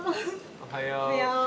おはよう。